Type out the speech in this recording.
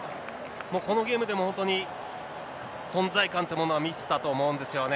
もうこのゲームでも、本当に存在感というものは見せたと思うんですよね。